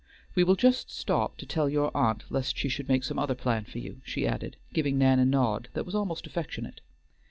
"We will just stop to tell your aunt, lest she should make some other plan for you," she added, giving Nan a nod that was almost affectionate.